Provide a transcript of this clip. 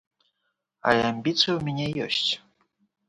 Але амбіцыі ў мяне ёсць.